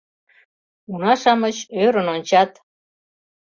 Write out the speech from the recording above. Уна-шамыч ӧрын ончат